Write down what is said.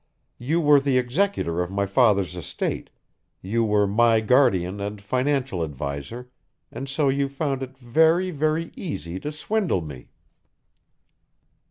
You were the executor of my father's estate you were my guardian and financial adviser, and so you found it very, very easy to swindle me!"